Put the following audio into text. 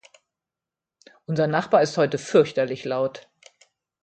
Unser Nachbar ist heute fürchterlich laut.